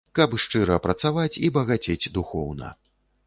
Каб шчыра працаваць і багацець духоўна.